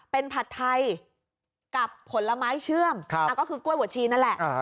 เป็นผัดไทยกับผลไม้เชื่อมก็คือกล้วยหัวชีนั่นแหละ